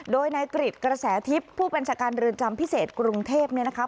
โดยนายกฤทธิ์กระแสทิพธิพธ์ผู้เปญจการเรือนจำพิเศษกรุงเทพธิ์นี้นะคะ